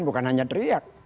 bukan hanya teriak